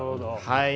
はい。